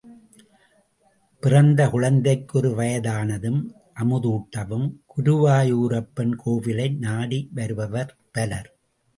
பிறந்த குழந்தைக்கு ஒரு வயதானதும், அமுதூட்டவும், குருவாயூரப்பன் கோவிலை நாடிவருபவர் பலர்.